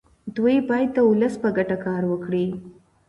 دوی باید د ولس په ګټه کار وکړي.